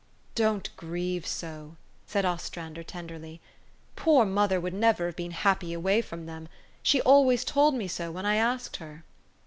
"Don't grieve so!" said Ostrander tenderly. 4 ' Poor mother would never have been happy away THE STORY OF AVIS. 269 from them. She always told me so when I asked her."